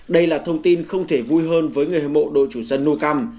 đây là thông tin không thể vui hơn với người hợp mộ đội chủ sân nucam